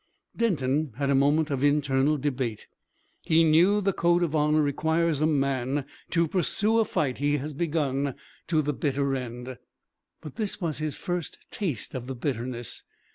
Denton had a moment of internal debate. He knew the code of honour requires a man to pursue a fight he has begun to the bitter end; but this was his first taste of the bitterness.